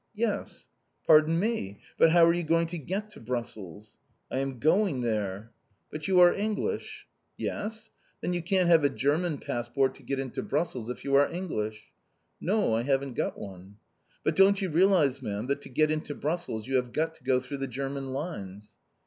"Yes." "Pardon me! But how are you going to get to Brussels?" "I am going there." "But you are English?" "Yes." "Then you can't have a German passport to get into Brussels if you are English." "No. I haven't got one." "But, don't you realise, ma'am, that to get into Brussels you have got to go through the German lines?"